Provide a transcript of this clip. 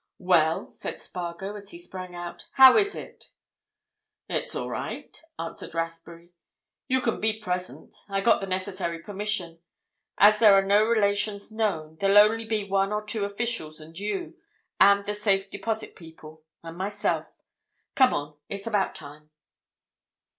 "Well?" said Spargo, as he sprang out: "How is it?" "It's all right," answered Rathbury. "You can be present: I got the necessary permission. As there are no relations known, there'll only be one or two officials and you, and the Safe Deposit people, and myself. Come on—it's about time."